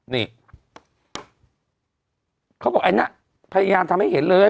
นี่เขาบอกไอ้น่ะพยายามทำให้เห็นเลย